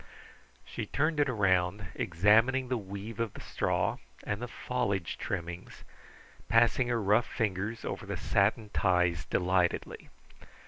She turned it around, examining the weave of the straw and the foliage trimmings, passing her rough fingers over the satin ties delightedly.